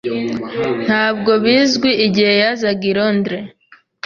Ntabwo bizwi igihe yazaga i Londres.